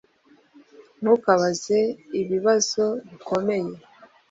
Ntukabaze ibibazo bikomeye